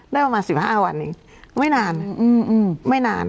ได้ประมาณ๑๕วันอีกไม่นานไม่นาน